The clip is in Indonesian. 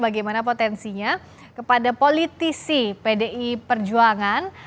bagaimana potensinya kepada politisi pdi perjuangan